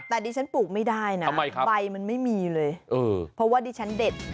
แต่ดิฉันปลูกไม่ได้นะใบมันไม่มีเลยเพราะว่าดิฉันเด็ด